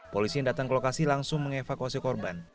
polisi yang datang ke lokasi langsung mengevakuasi korban